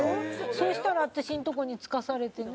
そうしたら私のとこに付かされてね。